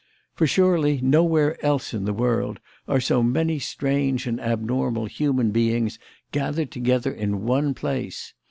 For, surely, nowhere else in the world are so many strange and abnormal human beings gathered together in one place.